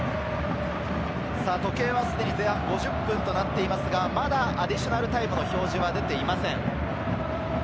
時計はすでに前半５０分となっていますが、まだアディショナルタイムの表示が出ていません。